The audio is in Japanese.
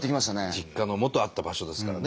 実家のもとあった場所ですからね。